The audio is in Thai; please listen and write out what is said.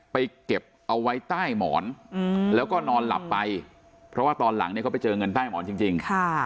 เก็บเอาไว้ใต้หมอนแล้วก็นอนหลับไปเพราะว่าตอนหลังเนี่ยเขาไปเจอเงินใต้หมอนจริง